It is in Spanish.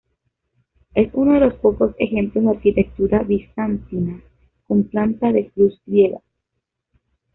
Es uno de los pocos ejemplos de arquitectura bizantina con planta de cruz griega.